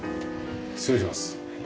失礼します。